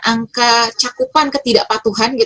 angka cakupan ketidakpatuhan